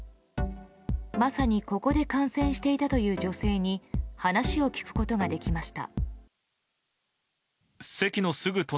まさに、ここで観戦していたという女性に話を聞くことができました。